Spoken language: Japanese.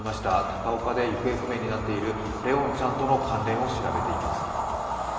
高岡で行方不明になっている怜音ちゃんとの関連を調べています。